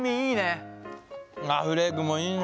ああフレークもいいね。